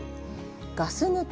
ガス抜き？